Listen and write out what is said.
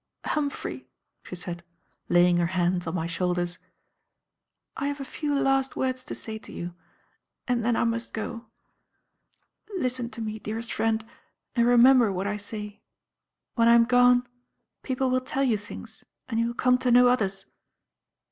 "Humphrey," she said, laying her hands on my shoulders, "I have a few last words to say to you, and then I must go. Listen to me, dearest friend, and remember what I say. When I am gone, people will tell you things and you will come to know others.